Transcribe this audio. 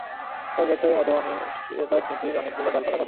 কয়েক বছরের মধ্যে অনিশ্চয়তা–নীতির অনেকগুলো ডালপালা গজায়।